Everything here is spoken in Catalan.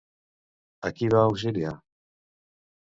A qui va auxiliar?